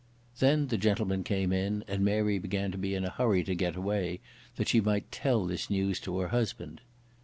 Then the gentlemen came in, and Mary began to be in a hurry to get away that she might tell this news to her husband.